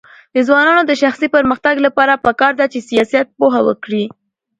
د ځوانانو د شخصي پرمختګ لپاره پکار ده چې سیاست پوهه ورکړي.